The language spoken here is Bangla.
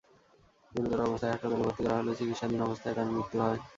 গুরুতর অবস্থায় হাসপাতালে ভর্তি করা হলে চিকিৎসাধীন অবস্থায় তাঁর মৃত্যু হয়।